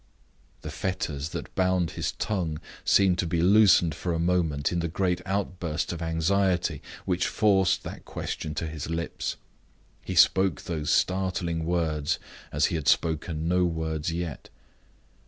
The fetters that bound his tongue seemed to be loosened for a moment in the great outburst of anxiety which forced that question to his lips. He spoke those startling words as he had spoken no words yet.